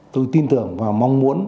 tôi tin tưởng và mong muốn